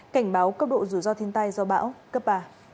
cảnh báo cấp độ dù do thiên tai do bão cấp ba